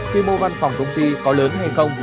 khi mua văn phòng công ty có lớn hay không